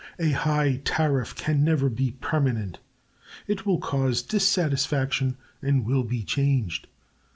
A high tariff can never be permanent. It will cause dissatisfaction, and will be changed.